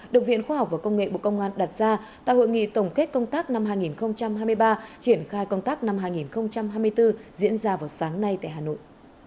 được viện khoa học và công nghệ bộ công an đặt ra tại hội nghị tổng kết công tác năm hai nghìn hai mươi ba triển khai công tác năm hai nghìn hai mươi bốn diễn ra vào sáng nay tại hà nội